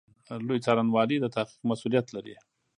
لوی څارنوالي د تحقیق مسوولیت لري